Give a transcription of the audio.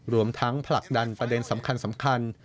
รวมทั้งผลักดันประเด็นสำคัญ